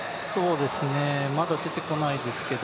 まだ出てこないですけど。